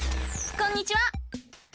こんにちは！